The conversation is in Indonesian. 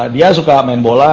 dia suka main bola